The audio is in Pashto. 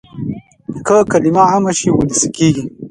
که کلمه عامه شي وولسي کېږي.